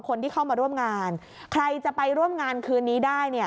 คนที่เข้ามาร่วมงานใครจะไปร่วมงานคืนนี้ได้เนี่ย